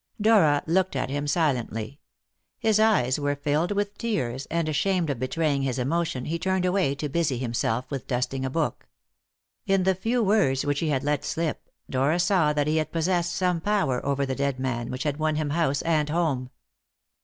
Dora looked at him silently. His eyes were filled with tears, and, ashamed of betraying his emotion, he turned away to busy himself with dusting a book. In the few words which he had let slip Dora saw that he had possessed some power over the dead man which had won him house and home.